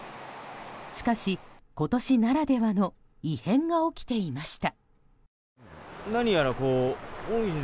しかし今年ならではの異変が起きていました。